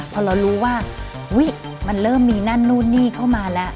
พอเรารู้ว่าอุ๊ยมันเริ่มมีนั่นนู่นนี่เข้ามาแล้ว